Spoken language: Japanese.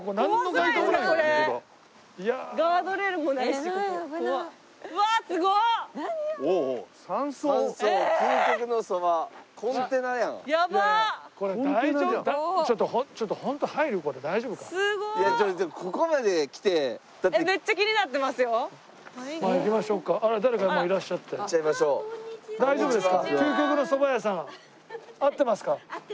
合ってます。